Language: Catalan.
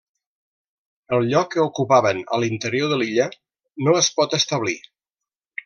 El lloc que ocupaven a l'interior de l'illa no es pot establir.